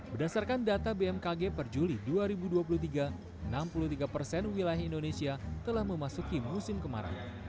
berdasarkan data bmkg per juli dua ribu dua puluh tiga enam puluh tiga persen wilayah indonesia telah memasuki musim kemarau